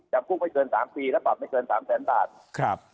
จำคุกไม่เกิน๓ปีและปรับไม่เกิน๓แสนบาทครับ